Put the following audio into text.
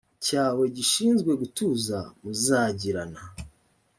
cyawe gishinzwe gutuza muzagirana